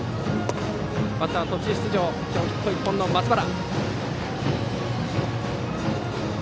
バッターは途中出場今日ヒット１本の松原。